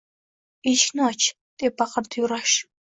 Eshikni och! – deb baqirdi Yurash.